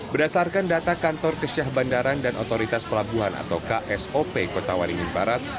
berdasarkan data kantor kesyah bandaran dan otoritas pelabuhan atau ksop kota waringin barat